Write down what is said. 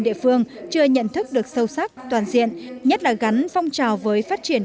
địa phương chưa nhận thức được sâu sắc toàn diện nhất là gắn phong trào với phát triển